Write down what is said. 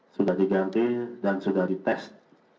sudah diganti dan sudah di test